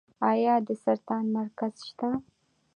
آیا د سرطان مرکز شته؟